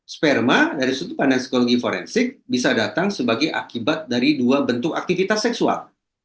sperma dari sudut pandang psikologi forensik bisa datang sebagai akibat dari dua bentuk aktivitas seksual